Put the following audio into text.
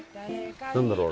何だろう？